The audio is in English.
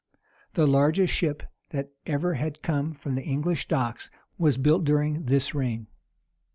[*] The largest ship that ever had come from the English docks was built during this reign.